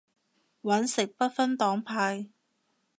搵食不分黨派